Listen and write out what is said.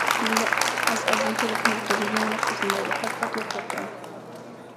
كۈندە ئاز-ئازدىن تولۇقلىنىپ تۇرىدۇ، يېڭىلىق ئۈزۈلمەيدۇ، پات-پات يوقلاپ تۇرۇڭ.